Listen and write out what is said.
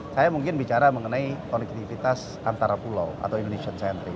saya mungkin bicara mengenai konektivitas antara pulau atau indonesian centric